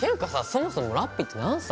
そもそもラッピーって何歳？